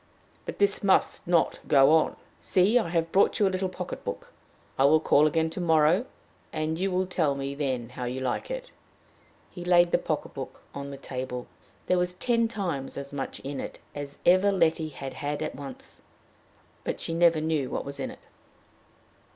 But this must not go on! See, I have brought you a little pocket book. I will call again tomorrow, and you will tell me then how you like it." He laid the pocket book on the table. There was ten times as much in it as ever Letty had had at once. But she never knew what was in it.